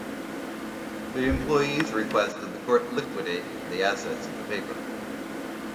The employees requested the court liquidate the assets of the paper.